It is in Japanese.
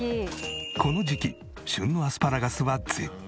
この時期旬のアスパラガスは絶品。